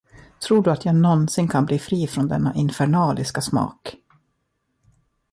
Tror du att jag någonsin kan bli fri från denna infernaliska smak!